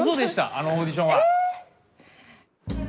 あのオーディションは。